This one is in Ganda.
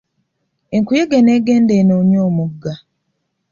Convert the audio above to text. Enkuyege n'egenda enoonye omugga.